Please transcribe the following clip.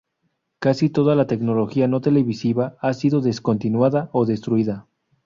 Casi toda la tecnología no televisiva ha sido descontinuada o destruida.